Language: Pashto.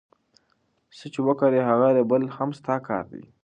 څه چي وکرې د هغه رېبل هم ستا کار دئ.